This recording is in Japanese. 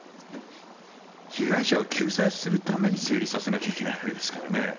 被害者を救済するために成立させないといけないわけですからね。